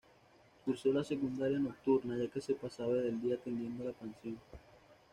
Cursó la secundaria nocturna, ya que se pasaba el día atendiendo la pensión.